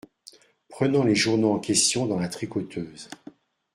Prenant les journaux en question dans la tricoteuse.